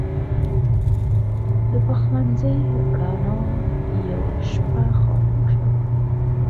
د پخلنځي رڼا یوه شپه خاموشه وه.